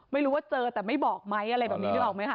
ไม่รู้ว่าเจอแต่ไม่บอกไหมอะไรแบบนี้นึกออกไหมค